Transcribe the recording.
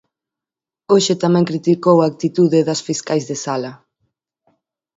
Hoxe tamén criticou a actitude das fiscais de sala.